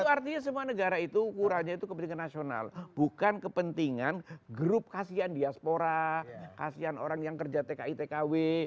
itu artinya semua negara itu ukurannya itu kepentingan nasional bukan kepentingan grup kasihan diaspora kasihan orang yang kerja tki tkw